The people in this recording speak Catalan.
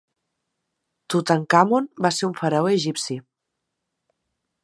Tutankamon va ser un faraó egipci.